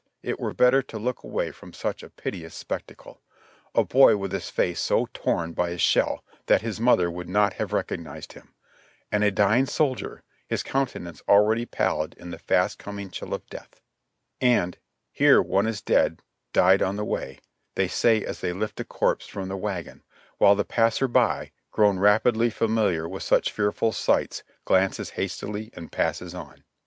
it were better to look away from such a piteous spectacle ; a boy with his face so torn by a shell that his mother would not have recognized him — and a dying soldier, his countenance already pallid in the fast coming chill of death ; and — "Here one is dead, died on the way," they say as they lift a corpse from the wagon, while the passer by, grown rapidly familiar with such fearful sights, glances hastily and passes on.